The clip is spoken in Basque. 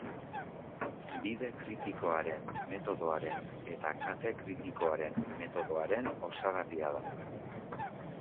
Bide Kritikoaren Metodoaren eta Kate Kritikoaren Metodoaren osagarria da.